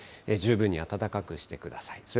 十分に暖かくしてください。